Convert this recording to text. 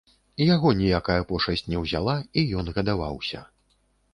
Яго ніякая пошасць не ўзяла, і ён гадаваўся.